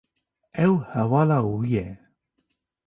Ew hevala wî ye.